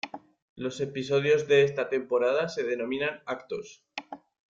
Los episodios de esta temporada se denominan "Actos".